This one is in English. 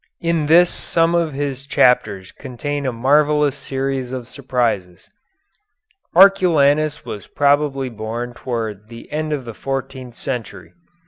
In this some of his chapters contain a marvellous series of surprises. Arculanus was probably born towards the end of the fourteenth century.